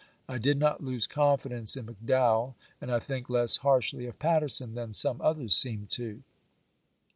I did not lose confidence in McDowell, and I think less harshly of Patterson than some others seem to.